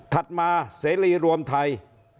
มาเสรีรวมไทย